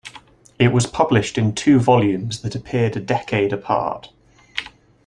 It was published in two volumes that appeared a decade apart.